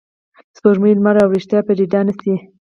سپوږمۍ، لمر او ریښتیا پټېدای نه شي.